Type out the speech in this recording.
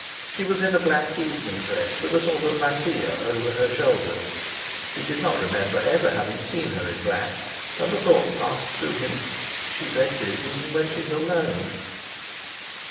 She was in a black evening dress, with a sort of mantilla over her shoulders—he did not remember ever having seen her in black, and the thought passed through him: "She dresses even when she's alone."